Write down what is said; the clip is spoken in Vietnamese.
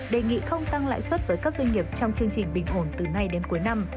đề nghị không tăng lãi suất với các doanh nghiệp trong chương trình bình ổn từ nay đến cuối năm